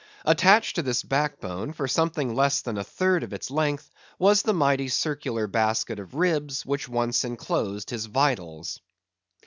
Attached to this back bone, for something less than a third of its length, was the mighty circular basket of ribs which once enclosed his vitals.